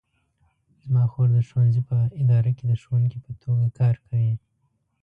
زما خور د ښوونځي په اداره کې د ښوونکې په توګه کار کوي